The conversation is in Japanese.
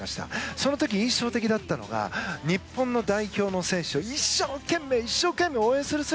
その時、印象的だったのが日本の代表の選手を一生懸命応援する姿。